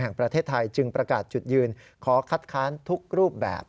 แห่งประเทศไทยจึงประกาศจุดยืนขอคัดค้านทุกรูปแบบ